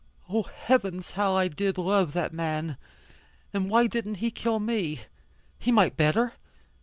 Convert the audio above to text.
Oh heavens, how I did love that man. And why didn't he kill me? He might better.